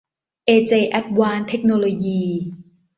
เอเจ แอดวานซ์ เทคโนโลยี